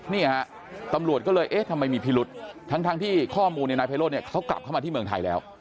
นี่ฮะตำรวจก็เลยเอ๊ะทำไมมีพิรุษทั้งที่ข้อมูลเนี่ยนายไพโรธเนี่ยเขากลับเข้ามาที่เมืองไทยแล้ว